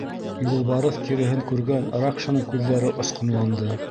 Юлбарыҫ тиреһен күргән Ракшаның күҙҙәре осҡонланды.